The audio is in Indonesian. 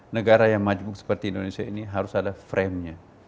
negara yang maju seperti indonesia ini harus ada framenya